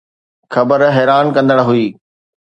خبر حيران ڪندڙ هئي.